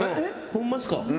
ホンマっすか？